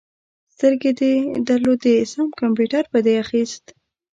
سترګې دې درلودې؛ سم کمپيوټر به دې اخيست.